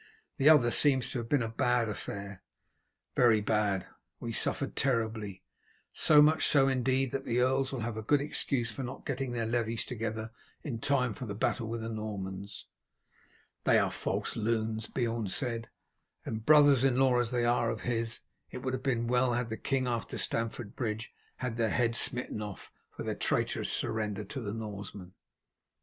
The other seems to have been a bad affair." "Very bad; we suffered terribly. So much so, indeed, that the earls will have a good excuse for not getting their levies together in time for the battle with the Normans." "They are false loons," Beorn said; "and brothers in law as they are of his, it would have been well had the king after Stamford Bridge had their heads smitten off for their traitorous surrender to the Norsemen."